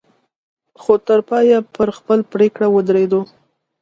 خو تر پايه پر خپله پرېکړه ودرېدو.